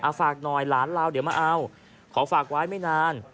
ฝากหน่อยหลานเราเดี๋ยวมาเอาขอฝากไว้ไม่นาน